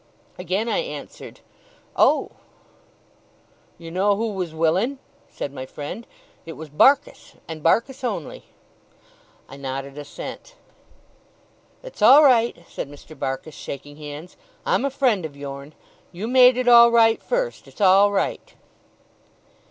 Again I answered, 'Oh!' 'You know who was willin',' said my friend. 'It was Barkis, and Barkis only.' I nodded assent. 'It's all right,' said Mr. Barkis, shaking hands; 'I'm a friend of your'n. You made it all right, first. It's all right.